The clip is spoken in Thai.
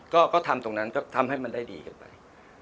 ก็ทำตรงนั้นก็ทำให้มันได้ดีกันไป